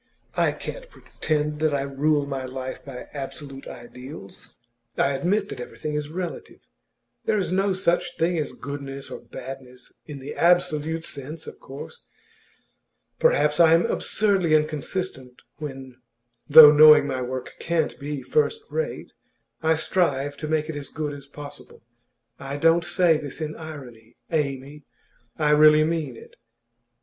I can't pretend that I rule my life by absolute ideals; I admit that everything is relative. There is no such thing as goodness or badness, in the absolute sense, of course. Perhaps I am absurdly inconsistent when though knowing my work can't be first rate I strive to make it as good as possible. I don't say this in irony, Amy; I really mean it.